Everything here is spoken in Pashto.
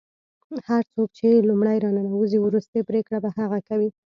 هر څوک چې لومړی راننوځي وروستۍ پرېکړه به هغه کوي.